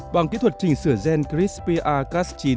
bằng kỹ thuật chỉnh sửa gen crispr cas chín